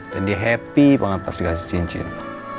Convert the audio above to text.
dan dia happy banget pas dikasih cincin